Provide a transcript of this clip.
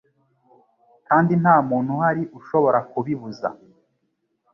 kandi ntamuntu uhari ushobora kubibuza